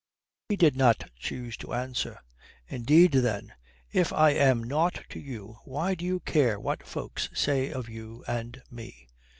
He did not choose to answer. "Indeed, then, if I am nought to you why do you care what folks say of you and me?"